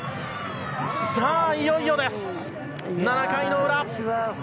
さあ、いよいよです７回の裏。